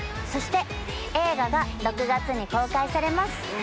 そして映画が６月に公開されます。